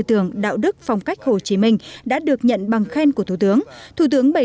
tưởng đạo đức phong cách hồ chí minh đã được nhận bằng khen của thủ tướng thủ tướng bày